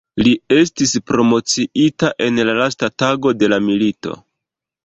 Li estis promociita en la lasta tago de la milito.